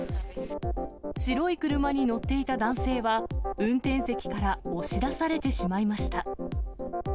白い車に乗っていた男性は、運転席から押し出されてしまいました。